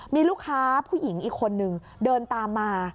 มีลูกค้าผู้หญิงอีกคนนึงเดินตามมา